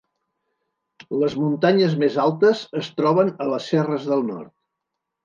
Les muntanyes més altes es troben a les serres del nord.